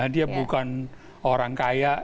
dia bukan orang kaya